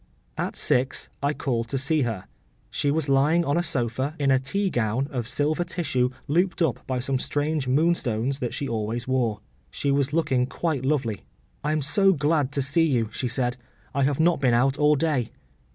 At six I called to see her. She was lying on a sofa, in a tea gown of silver tissue looped up by some strange moonstones that she always wore. She was looking quite lovely. “I am so glad to see you,” she said; “I have not been out all day.